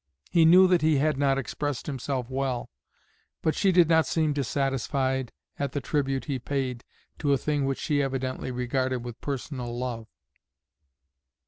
He knew that he had not expressed himself well, but she did not seem dissatisfied at the tribute he paid to a thing which she evidently regarded with personal love.